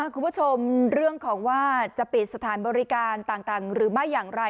คุณผู้ชมเรื่องของว่าจะปิดสถานบริการต่างหรือไม่อย่างไร